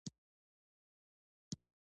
ارزښت باید ولمانځل شي.